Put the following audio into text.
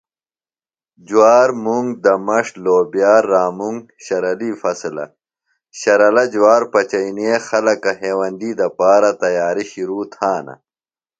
جوار ،منگ ،دمݜ ،لوبیا رامنگ شرلی فصلہ شرلہ جوار پچینے خلکہ ہیوندی دپارہ تیاری شرو تھانہ۔